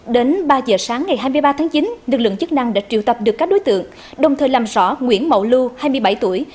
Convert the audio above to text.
đến ba giờ sáng ngày hai mươi ba tháng chín lực lượng chức năng đã triệu tập được các đối tượng đồng thời làm rõ nguyễn mậu lưu hai mươi bảy tuổi